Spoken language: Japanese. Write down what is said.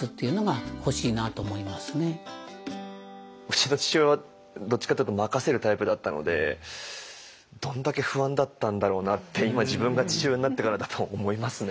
うちの父親はどっちかっていうと任せるタイプだったのでどんだけ不安だったんだろうなって今自分が父親になってからだと思いますね。